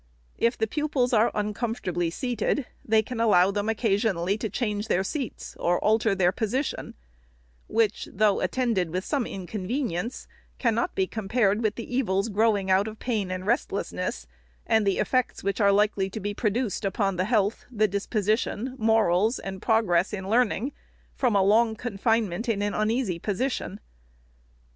If the pupils are uncom fortably seated, they can allow them occasionally to change their seats, or alter their position, which, though attended with some inconvenience, cannot be compared with the evils growing out of pain and restlessness, and the effects which are likely to be produced upon the health, the disposition, morals, and progress in learning, from a long confinement in an uneasy position.